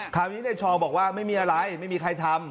คราวนี้ในชอบอกว่าไม่มีอะไรไม่มีใครทำ